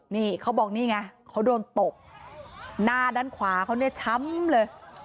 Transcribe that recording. นี่เขาบอกนี่ไงเขาโดนตบหน้าด้านขวาเขาเนี่ยช้ำเลย